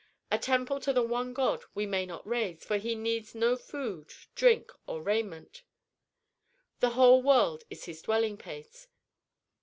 A temple to the One God we may not raise, for he needs no food, drink, or raiment. The whole world is his dwelling place.